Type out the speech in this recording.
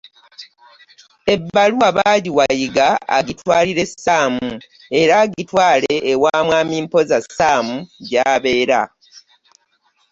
Ebbaluwa bagiwa Yiga agitwalire Ssaamu era agitwala ewa mwami Mpoza Ssaamu gy’abeera.